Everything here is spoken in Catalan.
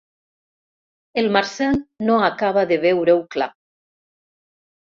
El Marcel no acaba de veure-ho clar.